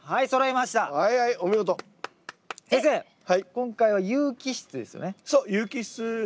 今回は有機質ですよね？